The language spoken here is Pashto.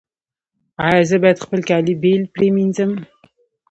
ایا زه باید خپل کالي بیل پریمنځم؟